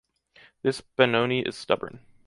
This Benoni is stubborn.